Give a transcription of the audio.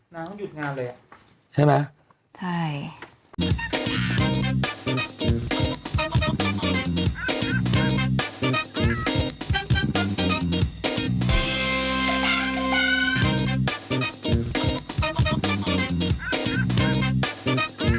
นางต้องหยุดงานเลย